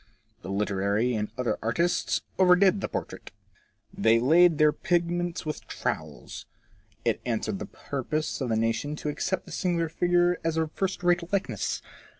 The literary and other artists over did the portrait. They laid on their pigments with trowels. It answered the 96 FORECASTLE TRAITS. purpose of the nation to accept the singular figure as a first rate likeness.